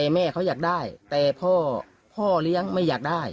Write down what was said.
แม่เขาอยากได้แต่พ่อพ่อเลี้ยงไม่อยากได้